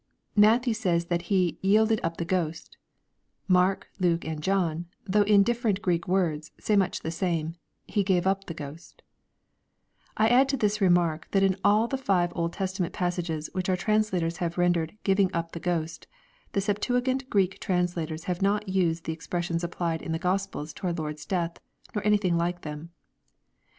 Matthew wiys that He " yielded up the ghost" Mark, Luke, and John, though in differ ent Greek words, saj much the same, " He gave up the ghosL" I add to this remark that in all the five Old Testament passages which our translators have rendered "giving up the ghost," 9ie Septuagint Greek translators have not used the expressions applied in the Gospels to our Lord's death, nor anything like them.